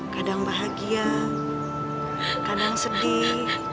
kadang bahagia kadang sedih